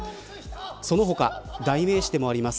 その他、代名詞でもあります